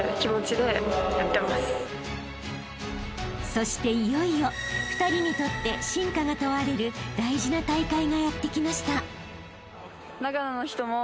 ［そしていよいよ２人にとって真価が問われる大事な大会がやってきました］